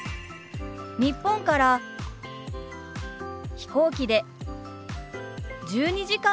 日本から飛行機で１２時間の長旅でした。